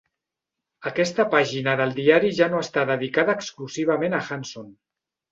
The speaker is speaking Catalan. Aquesta pàgina del diari ja no està dedicada exclusivament a Hanson.